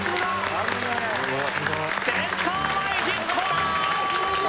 センター前ヒット！